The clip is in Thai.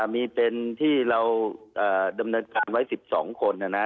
มีเป็นที่เราดำเนินการไว้๑๒คน